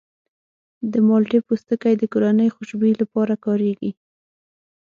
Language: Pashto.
د مالټې پوستکی د کورني خوشبویي لپاره کارېږي.